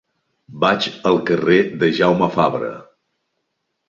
Vaig al carrer de Jaume Fabra.